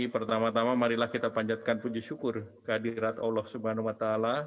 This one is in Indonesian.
pertama tama marilah kita panjatkan puji syukur kehadirat allah swt